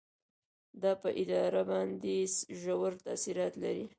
دا په اداره باندې ژور تاثیرات لري.